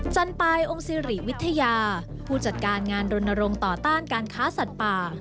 จันปายองค์สิริวิทยาผู้จัดการงานรณรงค์ต่อต้านการค้าสัตว์ป่า